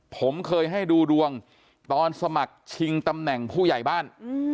ผมเคยให้ดูดวงตอนสมัครชิงตำแหน่งผู้ใหญ่บ้าน